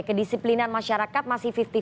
kedisiplinan masyarakat masih lima puluh lima puluh